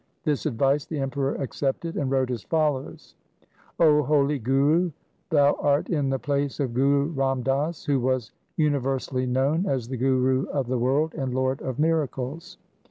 This advice the Emperor accepted, and wrote as follows :—' O holy Guru, thou art in the place of Guru Ram Das, who was univer sally known as the Guru of the world and lord of miracles.